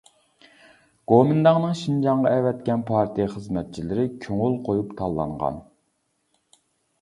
گومىنداڭنىڭ شىنجاڭغا ئەۋەتكەن پارتىيە خىزمەتچىلىرى كۆڭۈل قويۇپ تاللانغان.